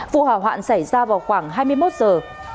vụ hỏa hoạn xảy ra vào khoảng ba giờ